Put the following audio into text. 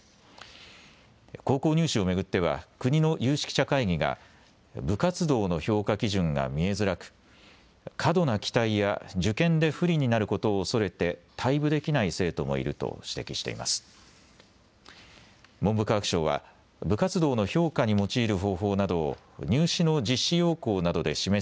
高校入試を巡っては国の有識者会議が部活動の評価基準が見えづらく過度な期待や受験で不利になることを恐れて退部できない生徒もいると指摘しています。